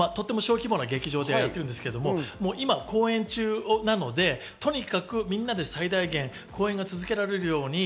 小規模な劇場でやってるんですけど、今、公演中なので、とにかくみんなで最大限公演が続けられるように